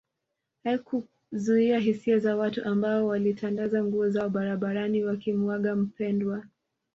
Haikuzuia hisia za watu ambao walitandaza nguo zao barabarani wakimuaga mpendwa